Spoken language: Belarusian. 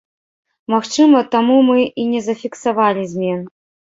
Магчыма, таму мы і не зафіксавалі змен.